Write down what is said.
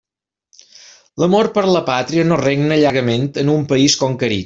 L'amor per la pàtria no regna llargament en un país conquerit.